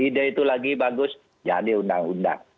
ide itu lagi bagus jadi undang undang